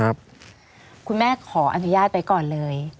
หรือว่าแม่ของสมเกียรติศรีจันทร์